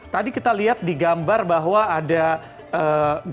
tadi kita lihat di gambar bahwa ada gambar sedang